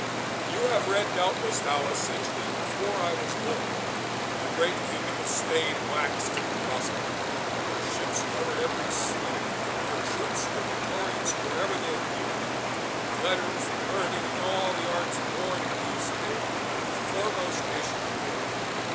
You have read doubtless how, a century before I was born, the great kingdom of Spain waxed and prospered. Her ships covered every sea. Her troops were victorious wherever they appeared. In letters, in learning, in all the arts of war and peace they were the foremost nation in Europe.